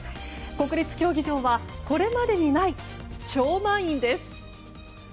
国立競技場はこれまでにない超満員です。